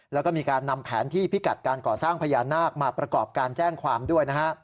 แล้วก็มีการนำแผนที่พิกัดการก่อสร้างพญานาคมาประกอบการแจ้งความด้วยนะฮะ